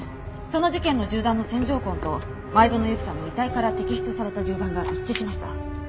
その事件の銃弾の線条痕と前園由紀さんの遺体から摘出された銃弾が一致しました。